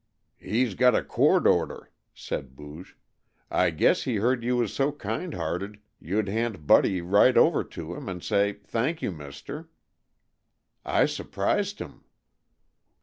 "He's got a court order," said Booge. "I guess he heard you was so kind hearted you'd hand Buddy right over to him and say, Thank you, mister.' I surprised him."